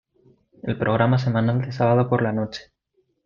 El programa semanal de sábado por la noche.